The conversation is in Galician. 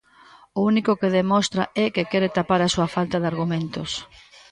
O único que demostra é que quere tapar a súa falta de argumentos.